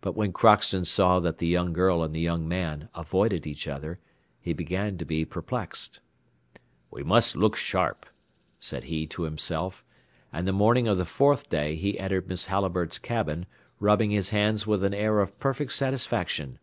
But when Crockston saw that the young girl and the young man avoided each other, he began to be perplexed. "We must look sharp," said he to himself, and the morning of the fourth day he entered Miss Halliburtt's cabin, rubbing his hands with an air of perfect satisfaction.